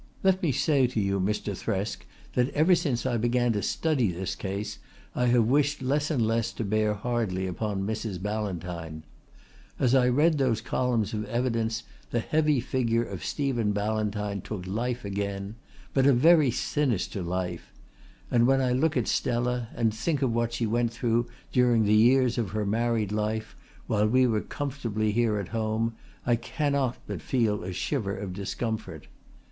Let me say to you, Mr. Thresk, that ever since I began to study this case I have wished less and less to bear hardly upon Mrs. Ballantyne. As I read those columns of evidence the heavy figure of Stephen Ballantyne took life again, but a very sinister life; and when I look at Stella and think of what she went through during the years of her married life while we were comfortably here at home I cannot but feel a shiver of discomfort.